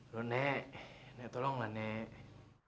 lho nek nek tolong lah nek